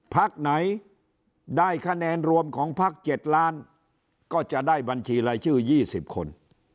พักไหนได้คะแนนรวมของพัก๗ล้านก็จะได้บัญชีรายชื่อ๒๐คน